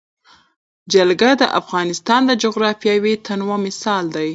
جلګه د افغانستان د جغرافیوي تنوع مثال دی.